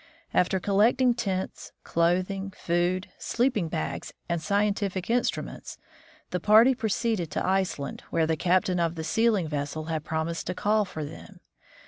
After collecting tents, clothing, food, sleeping bags, and scientific instruments, the party proceeded to Iceland, where the captain of the sealing vessel had promised to call for them.